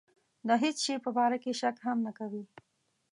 د هېڅ شي په باره کې شک هم نه کوي.